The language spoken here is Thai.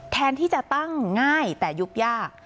แทนที่จะตั้งง่ายแต่ยุบยาก